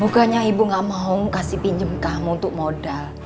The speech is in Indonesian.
bukannya ibu gak mau kasih pinjam kamu untuk modal